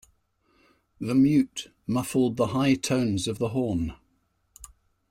The mute muffled the high tones of the horn.